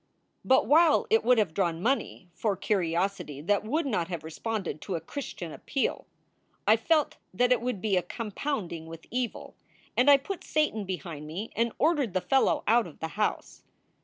But while it would have drawn money for curiosity that would not have responded to a Christian appeal, I felt that it would be a compound ing with evil, and I put Satan behind me and ordered the fellow out of the house.